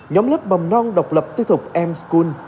nhóm lớp mầm non độc lập tư thụ m school